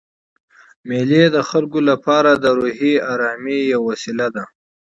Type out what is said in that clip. مېلې د خلکو له پاره د روحي آرامۍ یوه وسیله ده.